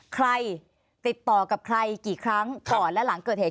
ใครติดต่อกับใครกี่ครั้งก่อนและหลังเกิดเหตุ